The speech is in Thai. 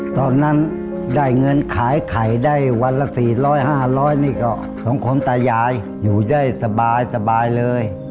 ตอนนั้นได้เงินขายไข่ได้วันละ๔๐๐๕๐๐นี่ก็สองคนตายายอยู่ได้สบายเลย